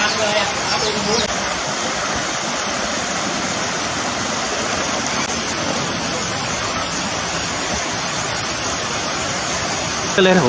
อีฟรุ่นพิวเมียคิดขาดหวาน